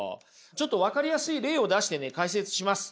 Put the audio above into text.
ちょっと分かりやすい例を出してね解説します。